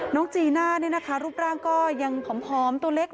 น้องจีน่าเนี่ยนะคะรูปร่างก็ยังหอม